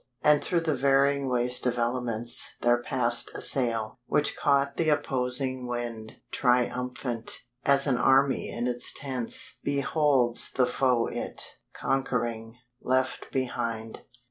And through the varying waste of elements There passed a sail, which caught the opposing wind, Triumphant, as an army in its tents Beholds the foe it, conquering, left behind.